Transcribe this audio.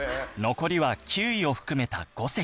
残りは９位を含めた５席